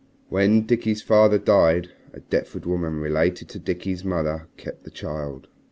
"When Dickie's father died, a Deptford woman related to Dickie's mother kept the child.